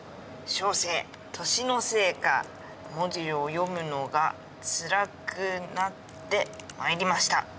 「小生年のせいか文字を読むのが辛くなってまいりました。